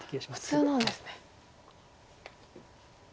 普通なんですね。